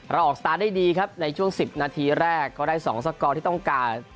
ออกสตาร์ทได้ดีครับในช่วง๑๐นาทีแรกก็ได้๒สกอร์ที่ต้องการ